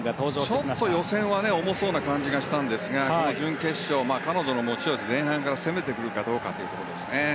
ちょっと予選は重そうな感じがしたんですが準決勝、彼女の持ち味前半から攻めてくるかどうかですね。